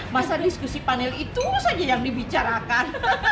masa diskusi panel itu saja yang dibicarakan